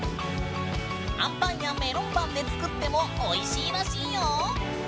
あんパンやメロンパンで作っても、おいしいらしいよー。